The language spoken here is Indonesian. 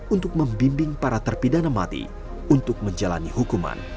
untuk membimbing para terpidana mati untuk menjalani hukuman